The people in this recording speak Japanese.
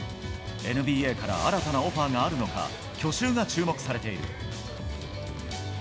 ＮＢＡから新たなオファーがあるのか、去就が注目されている。